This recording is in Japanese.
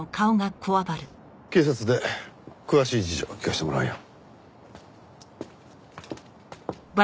警察で詳しい事情を聞かせてもらうよ。